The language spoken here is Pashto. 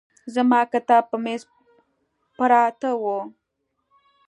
زما کتاب په مېز پراته وو.